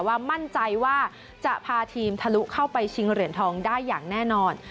ว่ามั่นใจว่าจะพาทีมทะลุเข้าไปชิงเหรียญทองได้อย่างแน่นอน